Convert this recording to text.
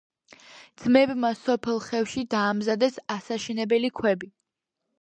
ძმებმა სოფელ ხევში დაამზადეს ასაშენებელი ქვები.